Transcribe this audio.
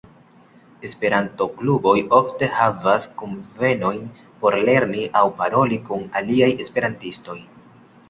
Esperanto-kluboj ofte havas kunvenojn por lerni aŭ paroli kun aliaj esperantistoj.